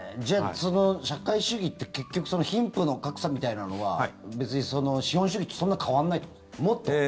じゃあ、社会主義って結局、貧富の格差みたいなのは別に資本主義とそんなに変わらないということ？